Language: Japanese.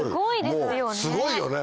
もうすごいよね！